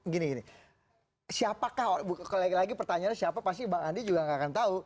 gini siapakah lagi pertanyaannya siapa pasti bang andi juga gak akan tahu